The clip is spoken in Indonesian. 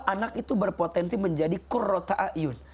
anak itu berpotensi menjadi kurrota'ayun